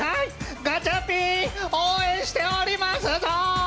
ガチャピン、応援しておりますぞ。